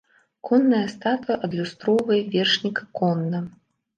Конная статуя адлюстроўвае вершніка конна.